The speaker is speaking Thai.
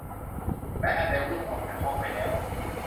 และอเดลวิ่งออกจากห้องไปแล้ว